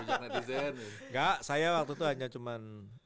enggak saya waktu itu hanya cuman